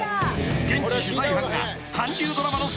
［現地取材班が韓流ドラマの］